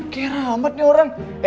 kayaknya rahamat nih orang